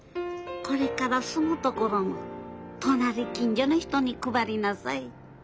これから住む所の隣近所の人に配りなさい。